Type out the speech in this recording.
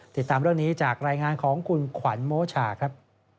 ติดตามเรื่องนี้จากรายงานของคุณขวัญโมชาครับ